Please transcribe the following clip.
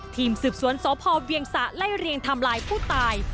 ทีมสืบสวนสพเวียงสะไล่เรียงทำลายผู้ตาย